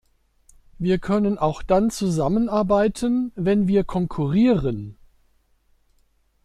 Wir können auch dann zusammenarbeiten, wenn wir konkurrieren.